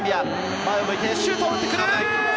前を向いてシュートを打ってくる！